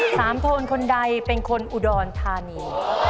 สามโทนคนใดเป็นคนอุดรธานี